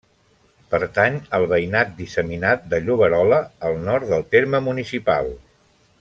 Pertany al veïnat disseminat de Lloberola, al nord del terme municipal.